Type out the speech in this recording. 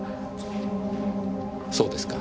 そうですか。